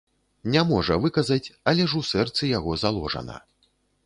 Не можа выказаць, але ж у сэрцы яго заложана.